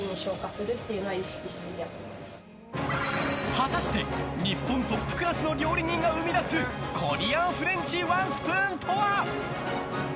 果たして、日本トップクラスの料理人が生み出すコリアンフレンチワンスプーンとは？